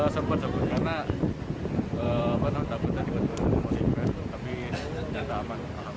sempat sempat karena penang takutnya diperlukan komosi tapi jantan apa